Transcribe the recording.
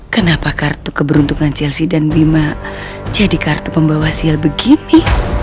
kenapa kartu keberuntungan chelsea dan bima jadi kartu pembawa hasil begini